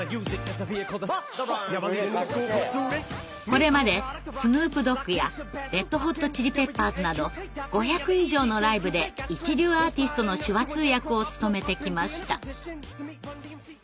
これまでスヌープ・ドッグやレッド・ホット・チリ・ペッパーズなど５００以上のライブで一流アーティストの手話通訳を務めてきました。